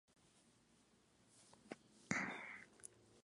Por instantes, Colima quedó incomunicada con el resto del país.